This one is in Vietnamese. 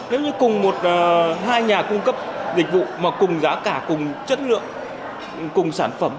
nếu như cùng một hai nhà cung cấp dịch vụ mà cùng giá cả cùng chất lượng cùng sản phẩm